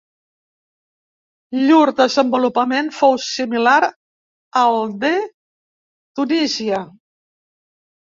Llur desenvolupament fou similar al de Tunísia.